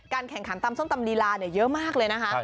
แข่งขันตำส้มตำลีลาเยอะมากเลยนะคะ